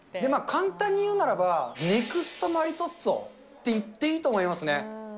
簡単に言うならば、ネクストマリトッツォって言っていいと思いますね。